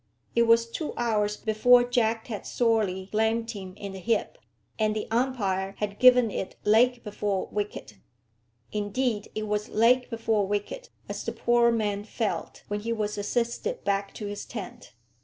It was two hours before Jack had sorely lamed him in the hip, and the umpire had given it leg before wicket. Indeed it was leg before wicket, as the poor man felt when he was assisted back to his tent.